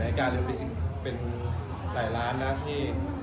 เปิดนาฬิกาเป็นหลายร้านนะที่